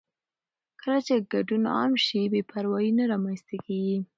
کله چې ګډون عام شي، بې پروايي نه رامنځته کېږي.